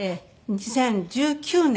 ２０１９年。